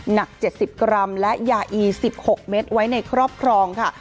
หนัก๗๐กรัมและยาอี๑๖เม็ดไว้ในครอบครองค่ะ